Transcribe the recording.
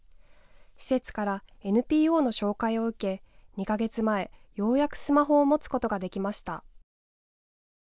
施設からＮＰＯの紹介を受け２か月前、ようやくスマホを持つことができました。